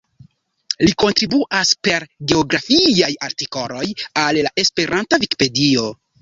Li kontribuas per geografiaj artikoloj al la Esperanta Vikipedio.